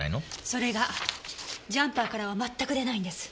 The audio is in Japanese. それがジャンパーからは全く出ないんです。